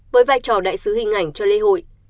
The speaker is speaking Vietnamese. với vai trò đại sứ hình ảnh cho lễ hội